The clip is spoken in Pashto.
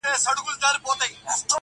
چي هر ځای به څو مرغان سره جرګه سوه،